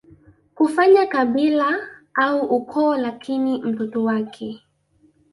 kufanya kabila au ukoo Lakini mtoto wake